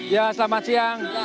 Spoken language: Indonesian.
ya selamat siang